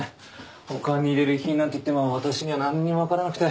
お棺に入れる遺品なんていっても私には何にも分からなくて。